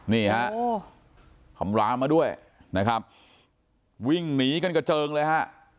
นี่ฮะทำร้ายมาด้วยนะครับวิ่งหนีกันกระเจิงเลยฮะ